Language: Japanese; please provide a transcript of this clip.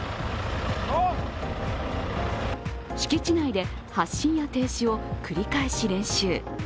敷地内で発進や停止を繰り返し練習。